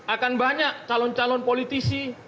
akan banyak calon calon politisi